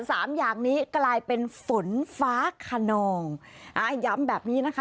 สามอย่างนี้กลายเป็นฝนฟ้าขนองอ่าย้ำแบบนี้นะคะ